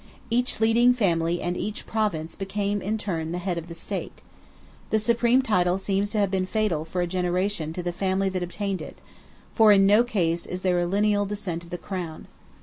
Each leading family and each province became, in turn, the head of the State. The supreme title seems to have been fatal for a generation to the family that obtained it, for in no case is there a lineal descent of the crown.